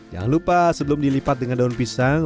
jangan lupa sebelum dilipat dengan daun pisang